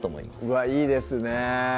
うわいいですね